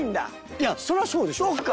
いやそりゃそうでしょう！